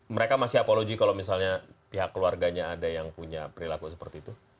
mereka masih apologi kalau misalnya pihak keluarganya ada yang punya perilaku seperti itu